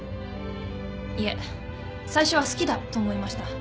いえ最初は好きだと思いました。